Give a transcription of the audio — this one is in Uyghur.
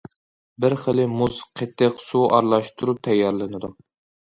بىر خىلى مۇز، قېتىق، سۇ ئارىلاشتۇرۇلۇپ تەييارلىنىدۇ.